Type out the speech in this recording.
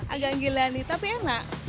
agak giliran tapi enak